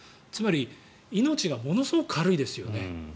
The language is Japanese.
つまり命がものすごく軽いですよね。